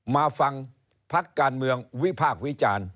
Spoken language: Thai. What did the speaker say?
มาฟังพักการเมืองวิพากษ์วิจารณ์